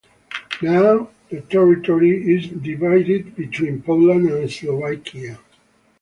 Now the territory is divided between Poland and Slovakia.